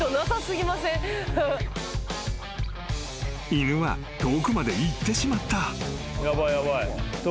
［犬は遠くまで行ってしまった］